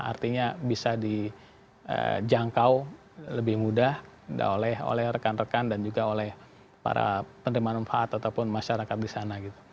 artinya bisa dijangkau lebih mudah oleh rekan rekan dan juga oleh para penerima manfaat ataupun masyarakat di sana